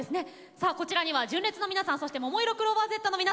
こちらには純烈の皆さんそしてももいろクローバーＺの皆さんです。